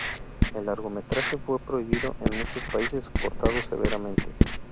El largometraje fue prohibido en muchos países o cortado severamente.